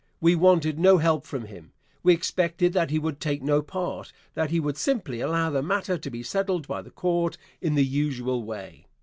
We wanted no help from him. We expected that he would take no part that he would simply allow the matter to be settled by the court in the usual way.